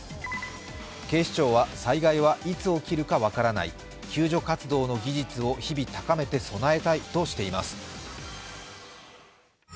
警視庁は災害はいつ起きるか分からない、救助活動の技術を日々高めたいとしています。